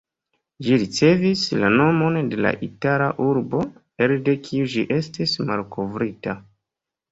Ĝi ricevis la nomon de la itala urbo, elde kiu ĝi estis malkovrita.